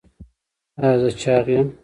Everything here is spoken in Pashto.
ایا زه چاغ یم؟